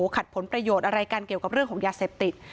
ขัดผลประโยชน์อะไรกันเกี่ยวกับเรื่องของยาเสพติด